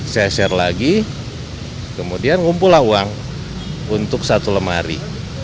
saya share lagi kemudian ngumpul uang untuk satu lemari